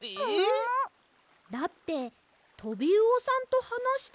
だってトビウオさんとはなしてるんですよね。